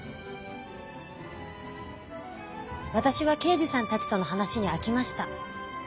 私は刑事さんたちとの話に飽きました。